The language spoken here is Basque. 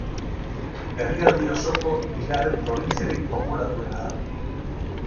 Herrialde osoko bigarren probintziarik populatuena da.